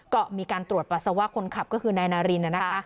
ก็มีการตรวจปัสสาวะคนขับก็คือนายนารินนะคะ